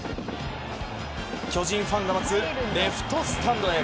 巨人ファンの待つレフトスタンドへ。